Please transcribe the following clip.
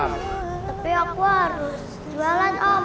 tapi aku harus jualan apa